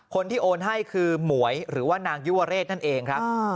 คนที่โอนให้คือหมวยหรือว่านางยุวเรศนั่นเองครับ